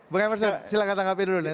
bung emerson silahkan tangkapi dulu